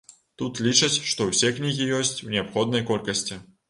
Тут лічаць, што ўсе кнігі ёсць у неабходнай колькасці.